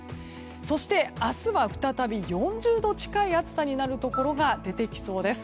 そして、明日は再び４０度近い暑さになるところが出てきそうです。